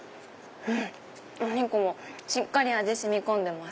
お肉もしっかり味染み込んでます。